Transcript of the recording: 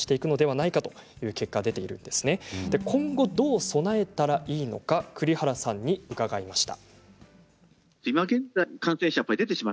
今後、どう備えたらいいのか栗原さんに伺いました。